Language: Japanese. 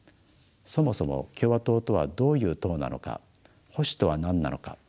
そもそも「共和党とはどういう党なのか」「保守とは何なのか」。